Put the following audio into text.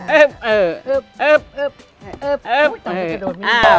เออเออเออเออเออเออ